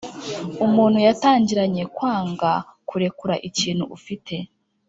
umuntu yatangiranye, kwanga kurekura ikintu ufite.